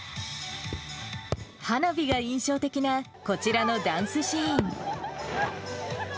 花火が印象的なこちらのダンスシーン。